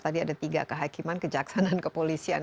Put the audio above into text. tadi ada tiga kehakiman kejaksanaan kepolisian